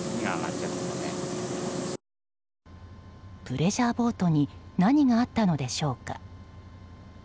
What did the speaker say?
プレジャーボートに何があったのでしょうか。